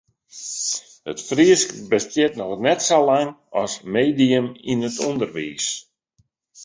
It Frysk bestiet noch net sa lang as medium yn it ûnderwiis.